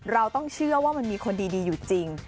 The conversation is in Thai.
เราต้องเชื่อว่ามันมีคนดีอยู่จริง